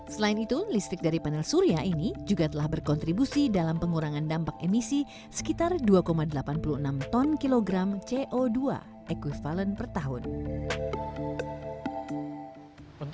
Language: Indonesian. selain itu listrik dari panel surya ini juga telah berkontribusi dalam pengurangan dampak emisi sekitar dua delapan puluh enam ton kilogram co dua ekvivalent per tahun